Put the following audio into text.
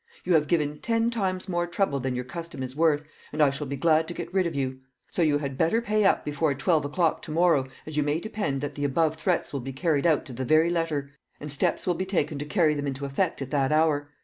You have given ten times more trouble than your custom is worth, and I shall be glad to get rid of you. So you had better pay up before twelve o'clock to morrow, as you may depend that the above threats will be carried out to the very letter, and steps will be taken to carry them into effect at that hour.